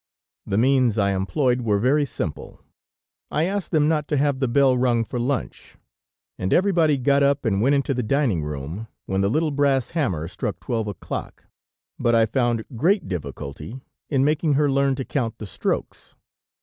The means I employed were very simple; I asked them not to have the bell rung for lunch, and everybody got up and went into the dining room, when the little brass hammer struck twelve o'clock, but I found great difficulty in making her learn to count the strokes.